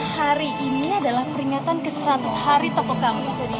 hari ini adalah peringatan ke seratus hari tokoh kami